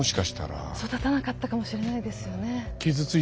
育たなかったかもしれないですよね。